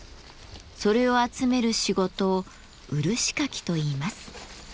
それを集める仕事を漆かきといいます。